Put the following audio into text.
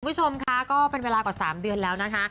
คุณผู้ชมค่ะก็เป็นเวลากว่า๓เดือนแล้วนะคะ